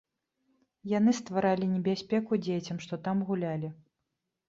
Яны стваралі небяспеку дзецям, што там гулялі.